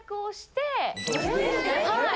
はい。